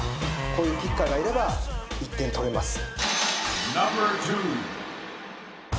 こういうキッカーがいれば１点取れます。